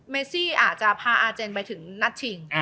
เมซี่อาจจะพาอาเจนไปถึงนัดชิง